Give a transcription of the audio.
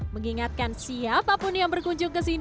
mengingatkan siapapun yang berkunjung ke sini